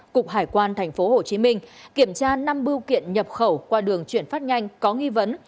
cục hải quan thành phố hồ chí minh kiểm tra năm bưu kiện nhập khẩu qua đường chuyển phát nhanh có nghi vấn